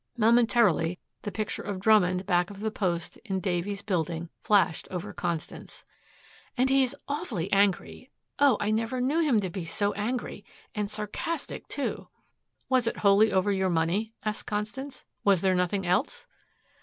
Momentarily the picture of Drummond back of the post in Davies' building flashed over Constance. "And he is awfully angry. Oh, I never knew him to be so angry and sarcastic, too." "Was it wholly over your money?" asked Constance. "Was there nothing else?"